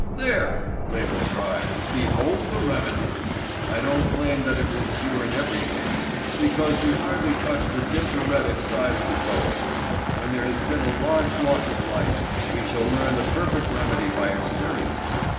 "There!" Label cried. "Behold the remedy. I don't claim that it will cure in every case, because we hardly touch the diphtheretic side of the trouble. When there has been a large loss of life we shall learn the perfect remedy by experience.